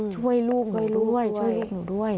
ช่วยลูกหนูด้วยช่วยลูกหนูด้วย